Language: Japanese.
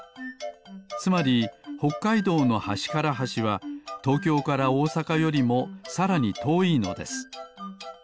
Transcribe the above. つまりほっかいどうのはしからはしは東京から大阪よりもさらにとおいのです。